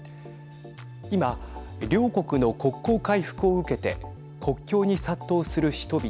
今、両国の国交回復を受けて国境に殺到する人々。